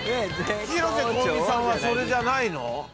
広瀬香美さんはそれじゃないの？